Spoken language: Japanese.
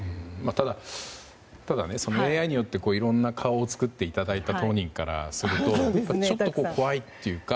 ただ、ＡＩによっていろんな顔を作っていただいた当人からするとちょっと怖いっていうか。